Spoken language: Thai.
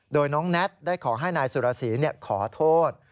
โดยน้องแน็ตได้ขอให้นายสุรสีขอโทษ